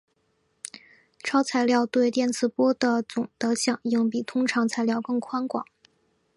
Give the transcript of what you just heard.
超材料对电磁波的总的响应比通常材料更宽广。